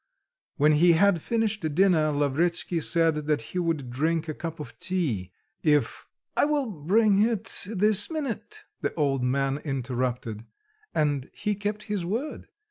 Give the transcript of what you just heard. When he had finished dinner, Lavretsky said that he would drink a cup of tea, if "I will bring it this minute," the old man interrupted. And he kept his word.